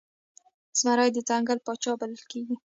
زمری د ځنګل پاچا بلل کیږي